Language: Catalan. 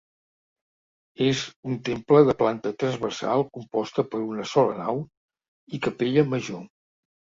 És un temple de planta transversal composta per una sola nau i capella major.